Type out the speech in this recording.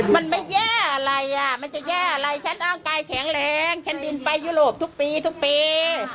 มันไม่แย่อะไรอ่ะมันจะแย่อะไรฉันร่างกายแข็งแรงฉันบินไปยุโรปทุกปีทุกปี